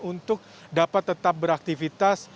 untuk dapat tetap beraktivitas